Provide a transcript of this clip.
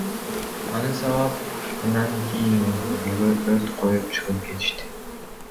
Аны сабап, андан кийин үйгө өрт коюп чыгып кетишкен.